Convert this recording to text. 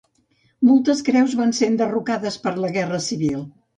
Moltes creus van ser enderrocades per la Guerra Civil.